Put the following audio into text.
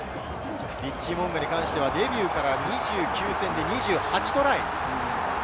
リッチー・モウンガに関してはデビューから２９戦で２８トライ。